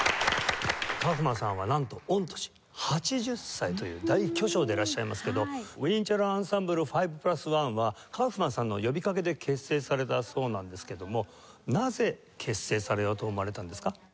カウフマンさんはなんと御年８０歳という大巨匠でいらっしゃいますけどウィーンチェロ・アンサンブル５＋１はカウフマンさんの呼びかけで結成されたそうなんですけどもなぜ結成されようと思われたんですか？